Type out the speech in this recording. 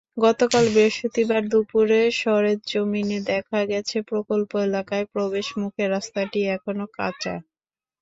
গতকাল বৃহস্পতিবার দুপুরে সরেজমিনে দেখা গেছে, প্রকল্প এলাকায় প্রবেশমুখের রাস্তাটি এখনো কাঁচা।